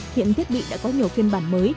hiện thiết bị đã có nhiều phiên bản mới